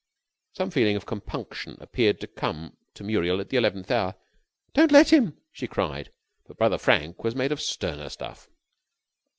Some feeling of compunction appeared to come to Muriel at the eleventh hour. "Don't let him," she cried. But Brother Frank was made of sterner stuff.